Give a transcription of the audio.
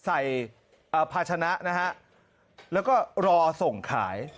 ภาชนะนะฮะแล้วก็รอส่งขาย